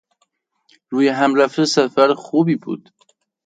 رویهم رفته سفر خوبی بود.